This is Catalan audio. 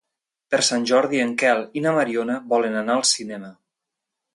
Per Sant Jordi en Quel i na Mariona volen anar al cinema.